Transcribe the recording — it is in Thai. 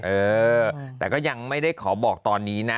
เออแต่ก็ยังไม่ได้ขอบอกตอนนี้นะ